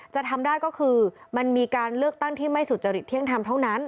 จะทำได้ก็คือมันมีการเลือกตั้งที่ไม่สุจริตเที่ยงธรรมเท่านั้น